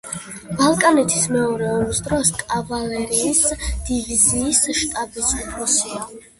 ბალკანეთის მეორე ომის დროს კავალერიის დივიზიის შტაბის უფროსია.